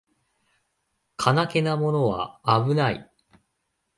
金気のものはあぶない